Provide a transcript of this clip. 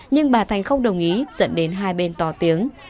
nhưng bà thành không đồng ý dẫn đến hai bên to tiếng